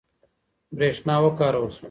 برېښنا وکارول شوه.